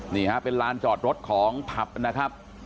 นี่ฮะเป็นลานจอดรถของผับนะครับ